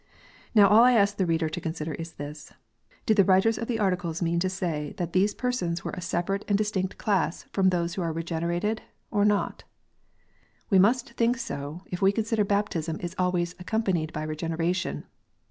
]S T ow all I ask the reader to consider is this, did the writers of the Articles mean to say that these persons were a separate and 148 KNOTS UNTIED. distinct class from those who were " regenerated," or not ? We must think so, if we consider baptism is always accompanied by Regeneration.